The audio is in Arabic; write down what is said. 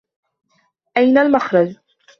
أين المخرج؟